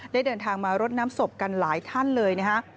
เดินทางมารดน้ำศพกันหลายท่านเลยนะฮะ